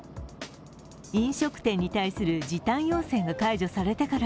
飲食店に対する時短要請が解除されてから